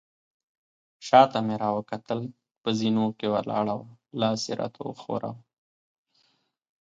شاته مې راوکتل، په زینو کې ولاړه وه، لاس يې راته وښوراوه.